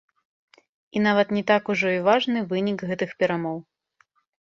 І нават не так ужо і важны вынік гэтых перамоў.